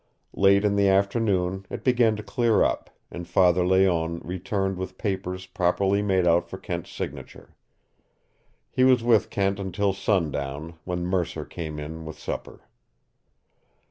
Late in the afternoon it began to clear up, and Father Layonne returned with papers properly made out for Kent's signature. He was with Kent until sundown, when Mercer came in with supper.